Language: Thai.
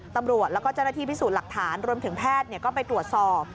ตำรวจแล้วก็เจ้าหน้าที่พิสูจน์หลักฐานรวมถึงแพทย์ก็ไปตรวจสอบ